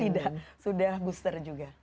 tidak sudah booster juga